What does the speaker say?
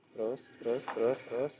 terus terus terus terus